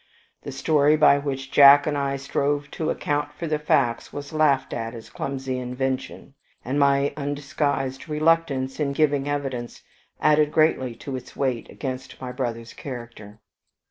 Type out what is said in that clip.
The story by which Jack and I strove to account for the facts was laughed at as a clumsy invention, and my undisguised reluctance in giving evidence added greatly to its weight against my brother's character.